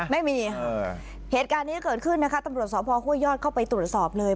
ไม่มีค่ะเหตุการณ์นี้เกิดขึ้นนะคะตำรวจสพห้วยยอดเข้าไปตรวจสอบเลย